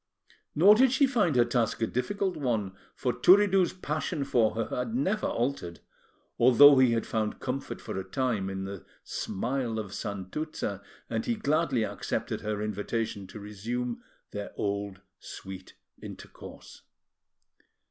Nor did she find her task a difficult one; for Turiddu's passion for her had never altered, although he had found comfort for a time in the smile of Santuzza, and he gladly accepted her invitation to resume their old sweet intercourse.